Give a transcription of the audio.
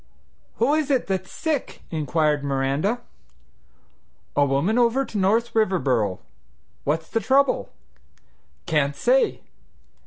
"Who is it that's sick?" inquired Miranda. "A woman over to North Riverboro." "What's the trouble?" "Can't say."